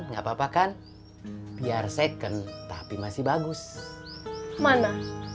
nggak papa kan biar second tapi masih bagus mana